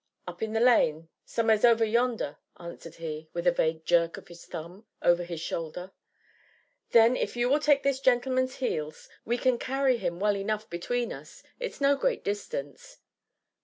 "Up in the lane, som'eres over yonder," answered he, with a vague jerk of his thumb over his shoulder. "Then, if you will take this gentleman's heels we can carry him well enough between us it's no great distance."